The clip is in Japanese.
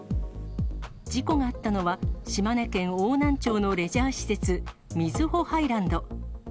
事故があったのは、島根県邑南町のレジャー施設、瑞穂ハイランド。